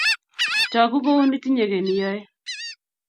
Toku kouni tinyei kiy neyoe